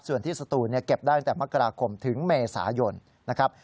ส่วนที่สตูนเก็บได้ตั้งแต่มกราคมถึงเมษายนนะครับ